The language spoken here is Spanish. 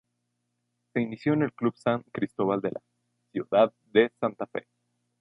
Se inició en el Club San Cristóbal de la ciudad de Santa Fe.